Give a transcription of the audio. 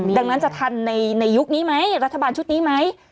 ดังนั้นจะทันในยุคนี้ไหมรัฐบาลชุดนี้ไหม